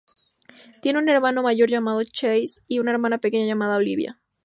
Tiene un hermano mayor llamado Chase y una hermana pequeña llamada Olivia.